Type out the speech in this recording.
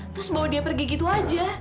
terus bawa dia pergi gitu aja